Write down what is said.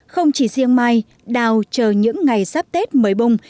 không chỉ riêng mai đào chờ những ngày sắp tết mới bung